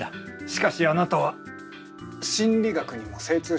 しかしあなたは心理学にも精通しているようだ。